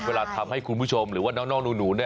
เวลาทำให้คุณผู้ชมหรือว่าน้องหนู